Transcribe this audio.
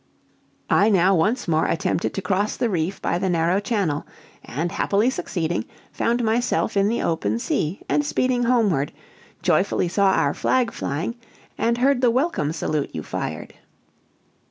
"I now once more attempted to cross the reef by the narrow channel, and happily succeeding, found myself in the open sea, and speeding homeward, joyfully saw our flag flying, and heard the welcome salute you fired."